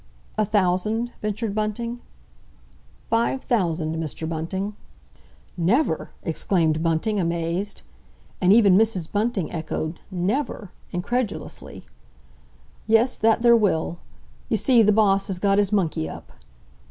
"A thousand?" ventured Bunting. "Five thousand, Mr. Bunting." "Never!" exclaimed Bunting, amazed. And even Mrs. Bunting echoed "Never!" incredulously. "Yes, that there will. You see, the Boss has got his monkey up!"